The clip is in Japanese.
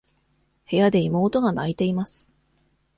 部屋で妹が泣いています。